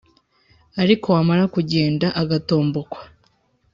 ariko wamara kugenda, agatombokwa